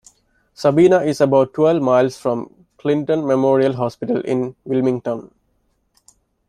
Sabina is about twelve miles from Clinton Memorial Hospital in Wilmington.